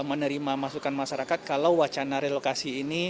menerima masukan masyarakat kalau wacana relokasi ini